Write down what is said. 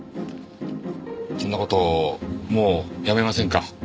こんな事もうやめませんか？